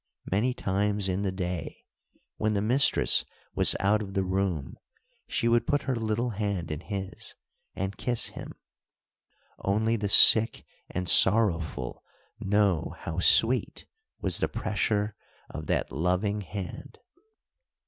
Many times in the day, when the mistress was out of the room, she would put her little hand in his, and kiss him. Only the sick and sorrowful know how sweet was the pressure of that loving hand.